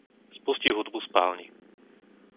Spusti hudbu v spálni.